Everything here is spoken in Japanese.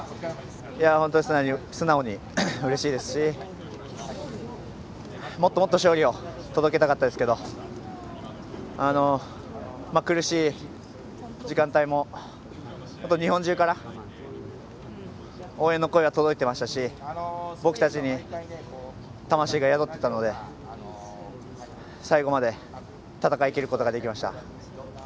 本当に素直にうれしいですしもっともっと勝利を届けたかったですけど苦しい時間帯も日本中から応援の声が届いていましたし僕たちに魂が宿ってたので最後まで戦いきることができました。